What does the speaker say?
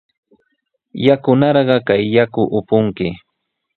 Yanunarqa kay yaku upunki.